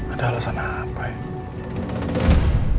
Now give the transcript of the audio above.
ada alasan apa ya